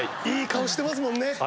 いい顔してますもんね。